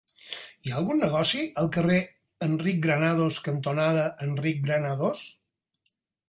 Hi ha algun negoci al carrer Enric Granados cantonada Enric Granados?